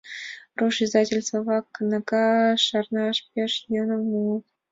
Руш издательство-влак кнага шараш пеш йӧным муыт.